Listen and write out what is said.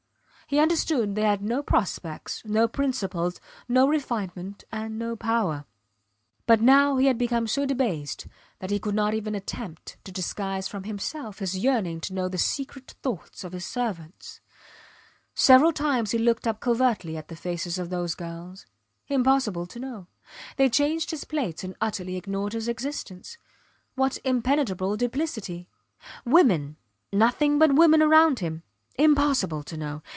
He understood they had no prospects, no principles no refinement and no power. But now he had become so debased that he could not even attempt to disguise from himself his yearning to know the secret thoughts of his servants. Several times he looked up covertly at the faces of those girls. Impossible to know. They changed his plates and utterly ignored his existence. What impenetrable duplicity. Women nothing but women round him. Impossible to know.